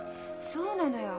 そうなのよ。